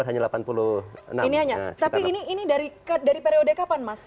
ini hanya tapi ini dari periode kapan mas